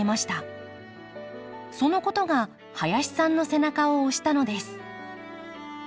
そのことが林さんの背中を押したのです。